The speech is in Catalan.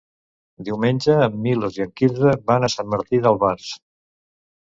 Diumenge en Milos i en Quirze van a Sant Martí d'Albars.